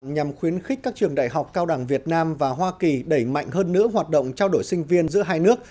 nhằm khuyến khích các trường đại học cao đẳng việt nam và hoa kỳ đẩy mạnh hơn nữa hoạt động trao đổi sinh viên giữa hai nước